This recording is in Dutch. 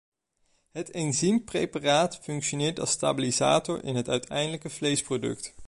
Het enzympreparaat functioneert als stabilisator in het uiteindelijke vleesproduct.